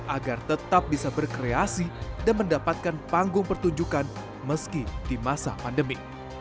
agar tetap bisa berkreasi dan mendapatkan panggung pertunjukan meski di masa pandemi